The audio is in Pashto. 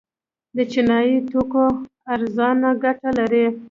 د چینایي توکو ارزاني ګټه لري؟